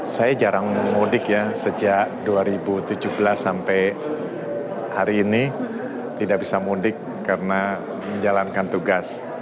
saya jarang mudik ya sejak dua ribu tujuh belas sampai hari ini tidak bisa mudik karena menjalankan tugas